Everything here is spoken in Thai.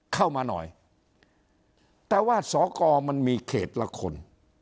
เข้ามาหน่อยแต่ว่าสอกรมันมีเขตละคน